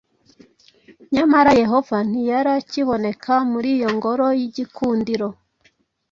Nyamara Yehova ntiyari akiboneka muri iyo ngoro y’igikundiro.